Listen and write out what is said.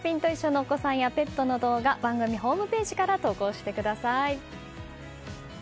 お子さんやペットの動画番組ホームページから投稿してください。